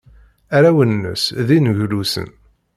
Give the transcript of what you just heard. Arraw-nnes d ineglusen.